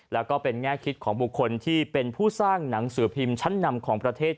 แล้วก็เป็นแง่คิดของบุคคลที่เป็นผู้สร้างหนังสือพิมพ์ชั้นนำของประเทศ